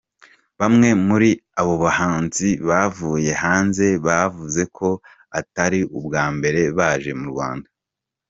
Bamwe muri aba bahanzi bavuye hanze bavuze ko atari ubwa mbere baje mu Rwanda.